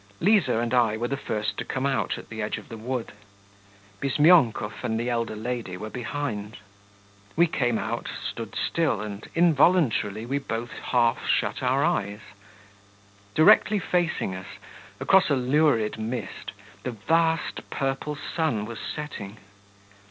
Liza and I were the first to come out at the edge of the wood; Bizmyonkov and the elder lady were behind. We came out, stood still, and involuntarily we both half shut our eyes; directly facing us, across a lurid mist, the vast, purple sun was setting.